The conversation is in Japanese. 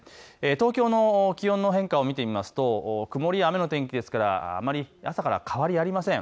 東京の気温の変化を見ると曇りや雨の天気ですからあまり朝から変わりありません。